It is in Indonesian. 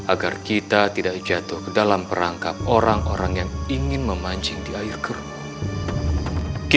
agar kita tidak jatuh ke dalam perangkap orang orang yang ingin memancing di air keruh